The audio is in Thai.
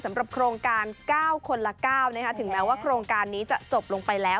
สำหรับโครงการ๙คนละ๙ถึงแม้ว่าโครงการนี้จะจบลงไปแล้ว